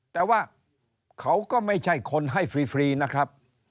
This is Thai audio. แต่ว่าเขาก็ไม่ใช่คนให้ฟรีนะครับ